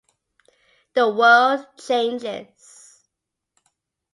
The world changes.